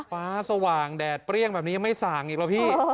ฟ้าสว่างแดดเปรี้ยงแบบนี้ยังไม่ส่างอีกแล้วพี่